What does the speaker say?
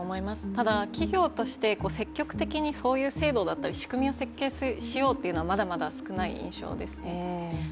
ただ、企業として積極的にそういう制度だったり、仕組みを設計しようというのはまだまだ少ない印象ですね。